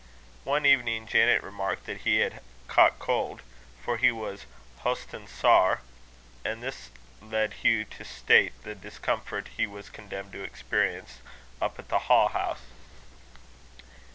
One evening Janet remarked that he had caught cold, for he was 'hostin' sair;' and this led Hugh to state the discomfort he was condemned to experience up at the ha' house.